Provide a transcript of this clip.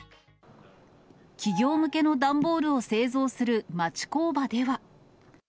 企業向けの段ボールを製造する町工場では。